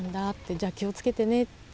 じゃあ気を付けてねって。